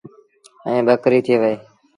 ائيٚݩ ٻڪريٚ ٿئي وهي۔